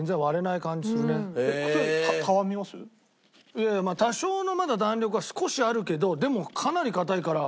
いやいや多少のまだ弾力は少しあるけどでもかなり硬いから。